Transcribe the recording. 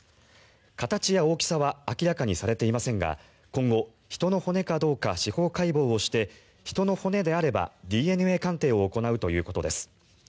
形や大きさは明らかにされていませんが今後、人の骨かどうか司法解剖して人の骨であれば、ＤＮＡ鑑定を行うということです。